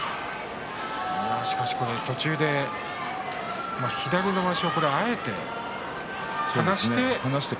途中で左のまわしをあえて離して。